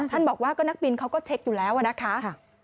บอกว่าก็นักบินเขาก็เช็คอยู่แล้วนะคะ